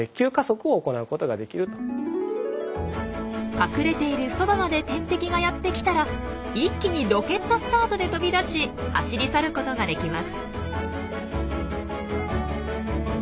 隠れているそばまで天敵がやって来たら一気にロケットスタートで飛び出し走り去ることができます。